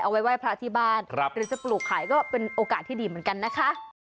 ไว้ไหว้พระที่บ้านหรือจะปลูกขายก็เป็นโอกาสที่ดีเหมือนกันนะคะ